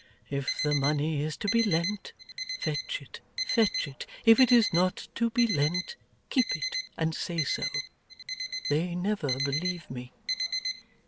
"If the money is to be lent, fetch it, fetch it; if it is not to be lent, keep it and say so." They never believe me.